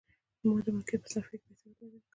ما د مارکیټ په صرافۍ کې پیسې بدلې کړې.